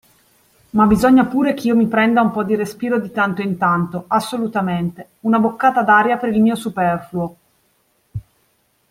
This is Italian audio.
Ma bisogna pure ch'io mi prenda un po' di respiro di tanto in tanto, assolutamente, una boccata d'aria per il mio superfluo.